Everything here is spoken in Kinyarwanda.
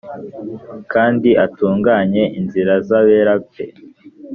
kandi atunganye inzira z’abera be